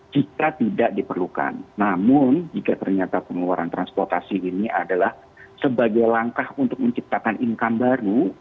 jika tidak diperlukan namun jika ternyata pengeluaran transportasi ini adalah sebagai langkah untuk menciptakan income baru